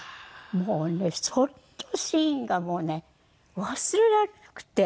もうねそのシーンがもうね忘れられなくて。